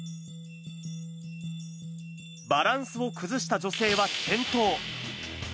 バランスを崩した女性は転倒。